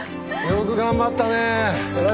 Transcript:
よく頑張ったね偉いぞ